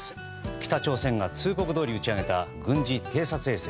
北朝鮮が通告どおり打ち上げた軍事偵察衛星。